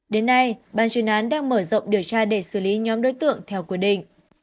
đến nay ban chuyên án đang mở rộng điều tra để xử lý nhóm đối tượng theo quy định